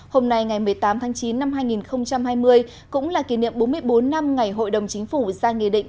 hôm nay ngày một mươi tám tháng chín năm hai nghìn hai mươi cũng là kỷ niệm bốn mươi bốn năm ngày hội đồng chính phủ ra nghị định